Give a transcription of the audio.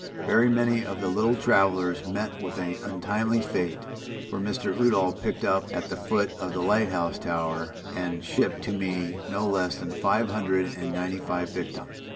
Very many of the little travellers met with an untimely fate, for Mr. Udall picked up at the foot of the light house tower, and shipped to me, no less than five hundred and ninety five victims.